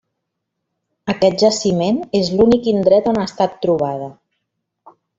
Aquest jaciment és l'únic indret on ha estat trobada.